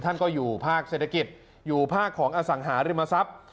ท่านก็อยู่ภาคเศรษฐกิจอยู่ภาคของอสังหาริมทรัพย์